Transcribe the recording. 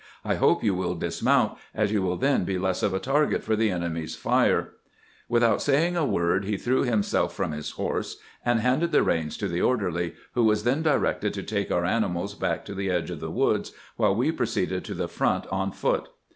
I hope you will dismount, as you will then be less of a target for the enemy's fire." Without saying a word, he threw him self from his horse and handed the reins to the orderly, who was then directed to take our animals back to the 266 CAMPAIGNING WITH GRANT edge of the "woods, while we proceeded to the front on foot.